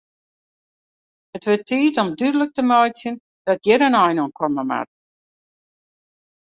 It wurdt tiid om dúdlik te meitsjen dat hjir in ein oan komme moat.